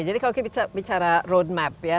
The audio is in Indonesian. jadi kalau kita bicara road map ya